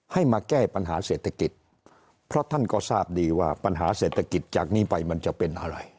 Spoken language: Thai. ให้มาแก้ปัญหาเศรษฐกิจเพราะท่านก็ทราบดีว่าปัญหาเศรษฐกิจจากนี้ไปมันจะเป็นอะไร